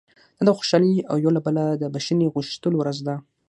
دا د خوشالۍ او یو له بله د بښنې غوښتلو ورځ ده.